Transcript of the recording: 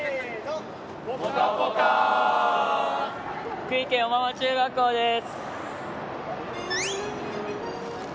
福井県、小浜中学校です！